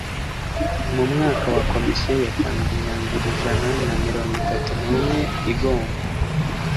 Mu mwaka wa Komisiyo yatanze imyanzuro ijana na mirongo itatu n umwe igomba